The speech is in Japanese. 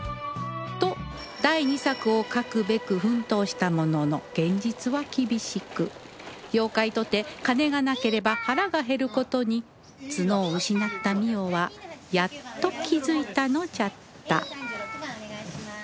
と第二作を書くべく奮闘したものの現実は厳しく妖怪とて金がなければ腹が減る事に角を失った澪はやっと気づいたのじゃった